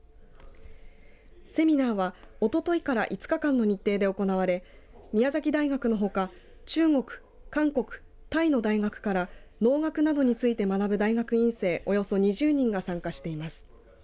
セミナーは、おとといから５日間の日程で行われ宮崎大学のほか中国、韓国タイの大学から農学などについて学ぶ大学院生およそ２０人が参加しています。